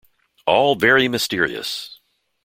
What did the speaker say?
All very mysterious!